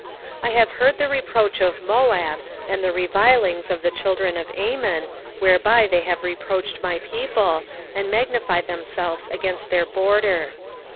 2:8 I have heard the reproach of Moab, and the revilings of the children of Ammon, whereby they have reproached my people, and magnified themselves against their border.